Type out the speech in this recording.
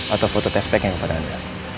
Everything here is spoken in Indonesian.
atau foto test packnya kepada anda